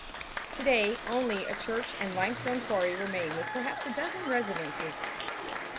Today only a church and limestone quarry remain with perhaps a dozen residences.